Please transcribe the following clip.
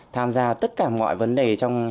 tham gia tất cả mọi vấn đề